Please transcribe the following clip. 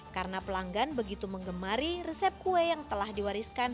karena pelanggan begitu mengemari resep kue yang telah diwariskan